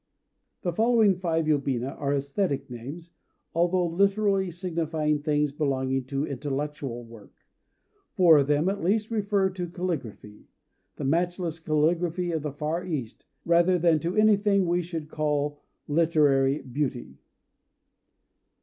The following five yobina are æsthetic names, although literally signifying things belonging to intellectual work. Four of them, at least, refer to calligraphy, the matchless calligraphy of the Far East, rather than to anything that we should call "literary beauty."